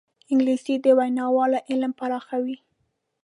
انګلیسي د ویناوال علم پراخوي